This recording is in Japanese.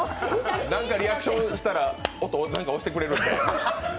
なんかリアクションしたら音押してくれるんで。